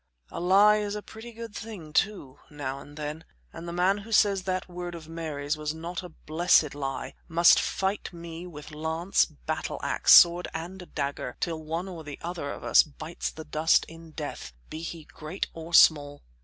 A lie is a pretty good thing, too, now and then, and the man who says that word of Mary's was not a blessed lie, must fight me with lance, battle ax, sword and dagger till one or the other of us bites the dust in death, be he great or small.